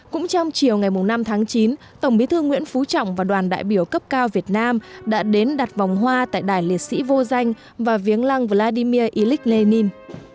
cũng trong chiều ngày năm tháng chín tổng bí thư nguyễn phú trọng và đoàn đại biểu cấp cao việt nam đã đến đặt vòng hoa tại đài liệt sĩ vô danh và viếng lăng vladimir ilyich lenin